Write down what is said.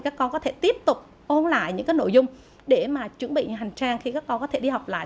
các con có thể tiếp tục ôn lại những cái nội dung để mà chuẩn bị hành trang khi các con có thể đi học lại